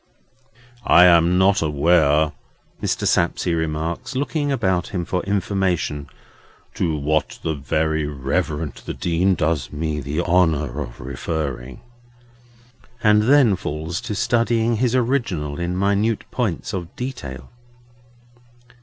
"I am not aware," Mr. Sapsea remarks, looking about him for information, "to what the Very Reverend the Dean does me the honour of referring." And then falls to studying his original in minute points of detail.